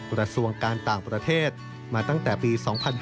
กระทรวงการต่างประเทศมาตั้งแต่ปี๒๕๕๙